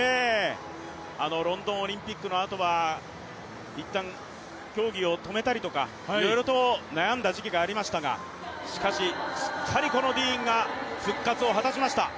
あのロンドンオリンピックのあとはいったん、競技を止めたりとかいろいろと悩んだ時期がありましたがしかし、しっかりこのディーンが復活を果たしました。